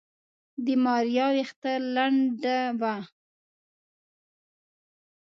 د ماريا ويښته لنده وه.